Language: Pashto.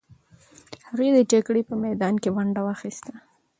هغې د جګړې په میدان کې ونډه واخیسته.